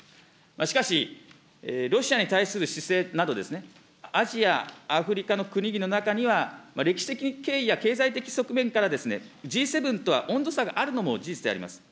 しかし、ロシアに対する姿勢など、アジア、アフリカの国々の中には、歴史的経緯や経済的側面から、Ｇ７とは温度差があるのも事実であります。